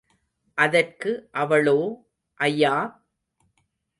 அதற்கு அவளோ, ஐயா!